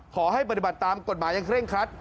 ขอให้ปฏิบัติตามกฎหมายอย่างเคร่งครัด